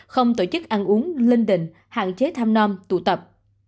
không tổ chức ăn uống linh đình hạn chế tham non tụ tập